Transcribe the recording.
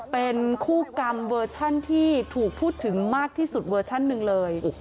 เป็นคู่กรรมเวอร์ชันที่ถูกพูดถึงมากที่สุดเวอร์ชันหนึ่งเลย